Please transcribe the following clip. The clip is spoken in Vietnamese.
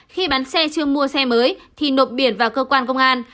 khi bán xe chưa mua xe mới thì nộp biển vào cơ quan công an